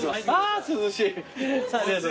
あ涼しい。